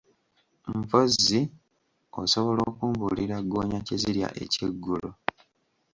Mpozzi, osobola okumbulira ggoonya kye zirya ekyeggulo?